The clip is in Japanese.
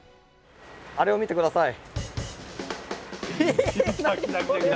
あれを見て下さい！